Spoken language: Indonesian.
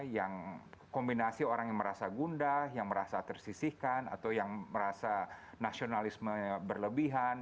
yang kombinasi orang yang merasa gundah yang merasa tersisihkan atau yang merasa nasionalisme berlebihan